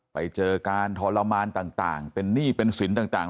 ไปเจอการทรมานต่างเป็นหนี้เป็นสินต่าง